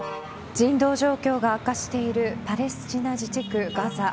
人道状況が悪化しているパレスチナ自治区ガザ。